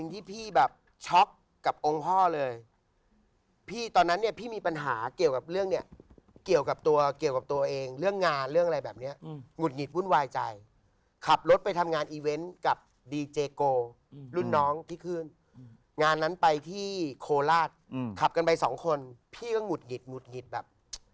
ที่พี่แบบช็อกกับองค์พ่อเลยพี่ตอนนั้นเนี่ยพี่มีปัญหาเกี่ยวกับเรื่องเนี่ยเกี่ยวกับตัวเกี่ยวกับตัวเองเรื่องงานเรื่องอะไรแบบเนี้ยหงุดหงิดวุ่นวายใจขับรถไปทำงานอีเวนต์กับดีเจโกรุ่นน้องที่ขึ้นงานนั้นไปที่โคราชขับกันไปสองคนพี่ก็หุดหงิดหงุดหงิดแบบ